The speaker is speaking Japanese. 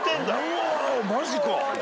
うわマジか。